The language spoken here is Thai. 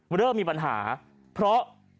เริ่มมีปัญหาเพราะ